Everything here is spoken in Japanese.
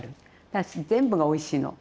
だし全部がおいしいの。